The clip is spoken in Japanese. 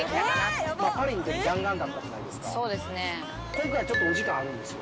今回ちょっとお時間あるんですよ。